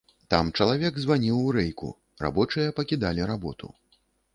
Там чалавек званіў у рэйку, рабочыя пакідалі работу.